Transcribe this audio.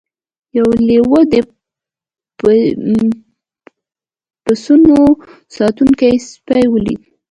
یو لیوه د پسونو ساتونکی سپی ولید.